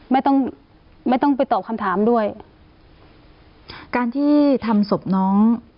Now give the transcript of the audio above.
ไม่ต้องไม่ต้องไปตอบคำถามด้วยการที่ทำศพน้อง